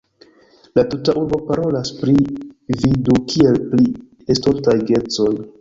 La tuta urbo parolas pri vi du kiel pri estontaj geedzoj.